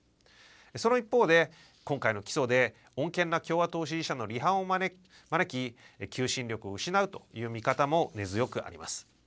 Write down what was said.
その一方で今回の起訴で穏健な共和党支持者の離反を招き求心力を失うという見方も根強くあります。